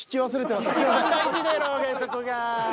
一番大事だろうがそこが。